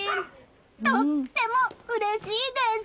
とてもうれしいです！